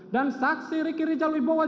saksi ricky rijal wibowo